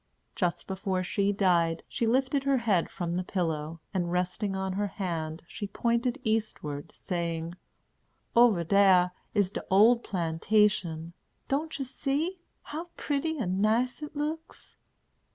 Just before she died, she lifted her head from the pillow, and, resting on her hand, she pointed eastward, saying: "Over dar is de ole plantation. Don't you see? How pretty and nice it looks!